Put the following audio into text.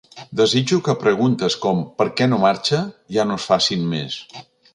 Desitjo que preguntes com per què no marxa?, ja no es facin més.